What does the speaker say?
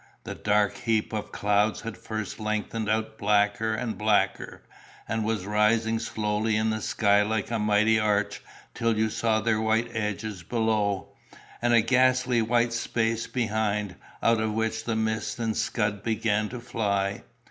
The dark heap of clouds had first lengthened out blacker and blacker, and was rising slowly in the sky like a mighty arch, till you saw their white edges below, and a ghastly white space behind, out of which the mist and scud began to fly.